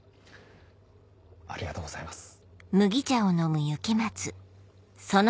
ありがとうございます。